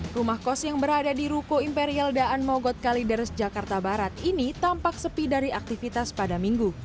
rumah kos yang berada di ruko imperial daan mogot kalideres jakarta barat ini tampak sepi dari aktivitas pada minggu